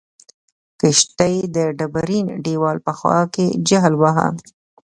کښتۍ د ډبرین دیوال په خوا کې جل واهه.